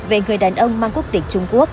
về người đàn ông mang quốc tịch trung quốc